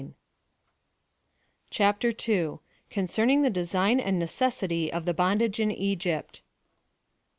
53 CHAPTER II. CONCERNING THE DESIGN AND NECESSITY OF THE BONDAGE IN EGYPT.